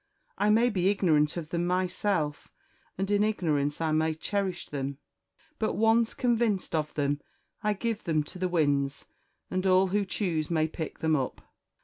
I may be ignorant of them myself, and in ignorance I may cherish them; but, once convinced of them, I give them to the winds, and all who choose may pick them up.